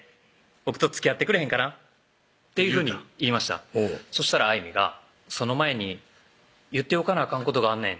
「僕とつきあってくれへんかな」というふうに言いましたほうそしたら愛実が「その前に言っておかなあかんことがあんねん」